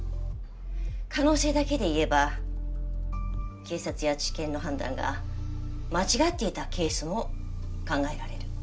可能性だけで言えば警察や地検の判断が間違っていたケースも考えられる。